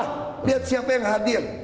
lihat siapa yang hadir